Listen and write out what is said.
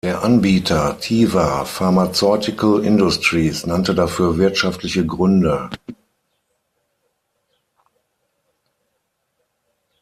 Der Anbieter Teva Pharmaceutical Industries nannte dafür wirtschaftliche Gründe.